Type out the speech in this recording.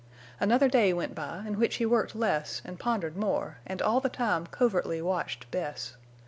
Another day went by, in which he worked less and pondered more and all the time covertly watched Bess.